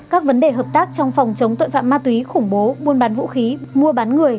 các vấn đề hợp tác trong phòng chống tội phạm ma túy khủng bố buôn bán vũ khí mua bán người